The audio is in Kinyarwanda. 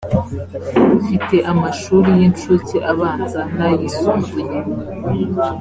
ufite amashuri y incuke abanza n ay isumbuye